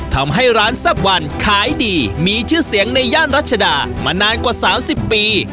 ทำให้ร้านแซ่บวันขายดีมีชื่อเสียงในย่านรัชดามานานกว่า๓๐ปี